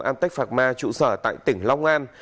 amtech pharma trụ sở tại tỉnh long an